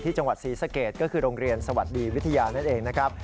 จังหวัดศรีสะเกดก็คือโรงเรียนสวัสดีวิทยานั่นเองนะครับ